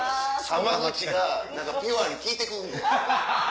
濱口が何かピュアに聞いて来んねん。